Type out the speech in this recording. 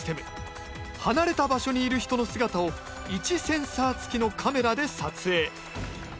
離れた場所にいる人の姿を位置センサー付きのカメラで撮影。